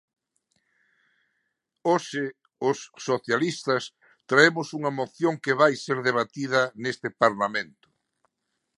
Hoxe os socialistas traemos unha moción que vai ser debatida neste Parlamento.